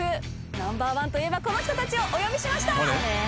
Ｎｏ．１といえばこの人たちをお呼びしました！